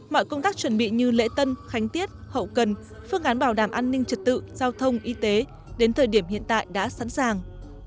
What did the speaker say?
mọi công tác chuẩn bị như lễ tân khánh tiết hậu cần phương án bảo đảm an ninh trật tự giao thông y tế đến thời điểm hiện tại đã sẵn sàng